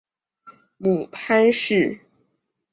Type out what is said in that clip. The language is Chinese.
母潘氏。